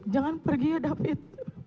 jangan pergi ya david